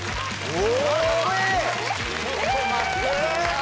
お！